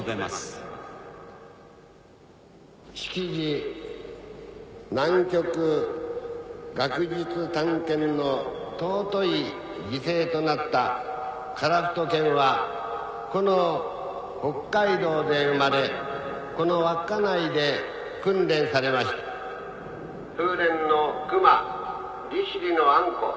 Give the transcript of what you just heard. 式辞南極学術探検の尊い犠牲となった樺太犬はこの北海道で生まれこの稚内で訓練されました風連のクマ利尻のアンコ